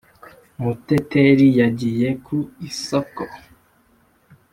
muteteri yagiye ku isoko